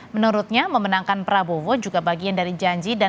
menurutnya memenangkan prabowo juga bagian dari janji dan